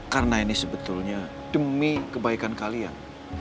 karena ini sebetulnya demi kebaikan kalian